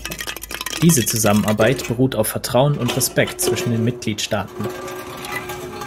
Diese Zusammenarbeit beruht auf Vertrauen und Respekt zwischen den Mitgliedstaaten.